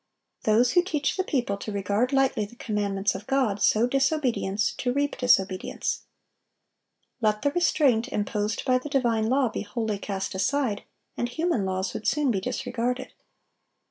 Those who teach the people to regard lightly the commandments of God, sow disobedience, to reap disobedience. Let the restraint imposed by the divine law be wholly cast aside, and human laws would soon be disregarded.